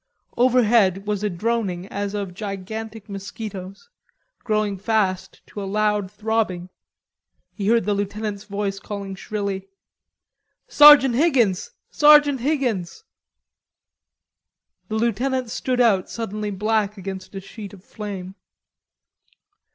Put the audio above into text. Overhead was a droning as of gigantic mosquitoes, growing fast to a loud throbbing. He heard the lieutenant's voice calling shrilly: "Sergeant Higgins, Sergeant Higgins!" The lieutenant stood out suddenly black against a sheet of flame.